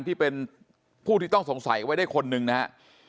ที่เป็นผู้ที่ต้องสงสัยไว้ได้คนหนึ่งนะฮะ